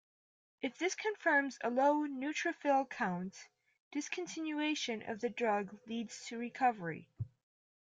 If this confirms a low neutrophil count, discontinuation of the drug leads to recovery.